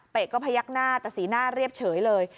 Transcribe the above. ก็พยักหน้าแต่สีหน้าเรียบเฉยเลย